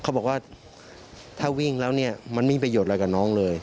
เขาบอกว่าถ้าวิ่งแล้วเนี่ยมันไม่มีประโยชน์อะไรกับน้องเลย